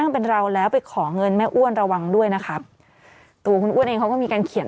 ตัวของคุณอ้วนเองเขาก็มีการเขียน